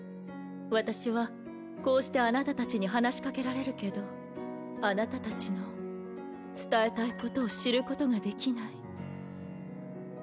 私はこうしてあなたたちに話しかけられるけどあなたたちの伝えたいことを知ることができない。